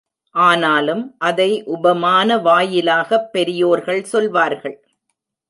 ஆனாலும் அதை உபமான வாயிலாகப் பெரியோர்கள் சொல்வார்கள்.